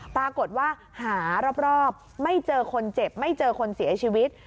ปรากฏว่าหารอบไม่เจอคนเจ็บไม่เจอคนเสียชีวิต